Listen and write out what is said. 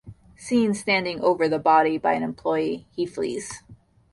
Seen standing over the body by an employee, he flees.